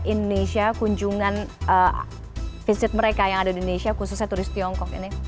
indonesia kunjungan visit mereka yang ada di indonesia khususnya turis tiongkok ini